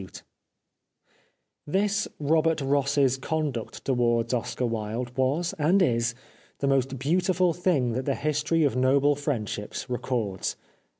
415 The Life of Oscar Wilde This Robert Ross's conduct towards Oscar Wilde was and is the most beautiful thing that the history of noble friendships records.